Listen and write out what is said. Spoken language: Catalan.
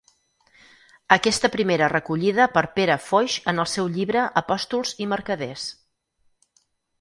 Aquesta primera recollida per Pere Foix en el seu llibre Apòstols i mercaders.